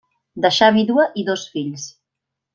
Deixà vídua i dos fills.